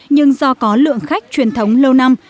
nhưng do có lượng khách truyền thống lâu năm